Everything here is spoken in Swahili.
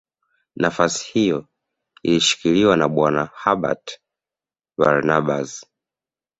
Nafasi hiyo ilishikiliwa na Bwana Herbert Barnabas